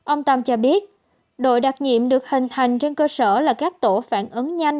ông tam cho biết đội đặc nhiệm được hình thành trên cơ sở là các tổ phản ứng nhanh